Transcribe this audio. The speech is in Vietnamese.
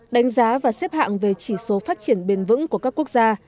đánh giá và xếp hạng về chỉ số phát triển bền vững của các quốc gia